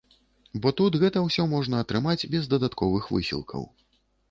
Бо тут гэта ўсё можна атрымаць без дадатковых высілкаў.